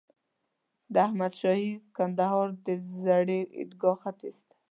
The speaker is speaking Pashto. د احمد شاهي کندهار د زړې عیدګاه ختیځ ته.